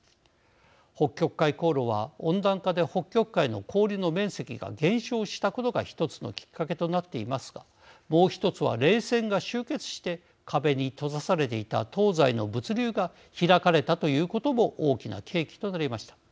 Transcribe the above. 北極海航路は温暖化で北極海の氷の面積が減少したことが１つのきっかけとなっていますがもう１つは冷戦が終結して壁に閉ざされていた東西の物流が開かれたということも大きな契機となりました。